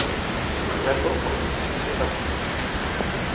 L'album connut un succès rapide.